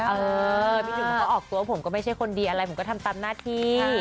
เออพี่หนุ่มเขาก็ออกตัวผมก็ไม่ใช่คนดีอะไรผมก็ทำตามหน้าที่